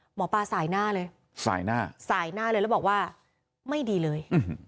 หมอปลาสายหน้าเลยแล้วบอกว่าไม่ดีเลย